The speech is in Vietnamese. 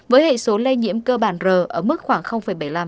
với hệ số lây nhiễm cơ bản r ở mức khoảng bảy mươi năm